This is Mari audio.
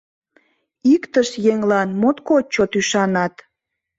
Иктышт еҥлан моткоч чот ӱшанат.